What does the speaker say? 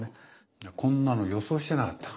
こんなの予想してなかった。